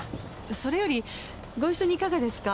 それよりご一緒にいかがですか？